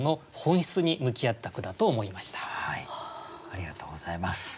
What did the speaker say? ありがとうございます。